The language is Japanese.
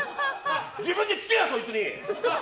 自分で聞けよ、そいつに！